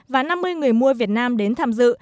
và năm mươi người mua việt nam đến tham dự